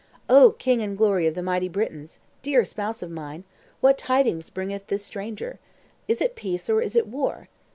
"O king and glory of the mighty Britons, dear spouse of mine, what tidings bringeth this stranger? Is it peace, or is it war?"